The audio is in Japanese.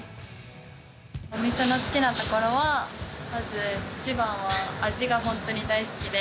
お店の好きなところはまず一番は味が本当に大好きで。